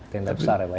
tenda besar ya pak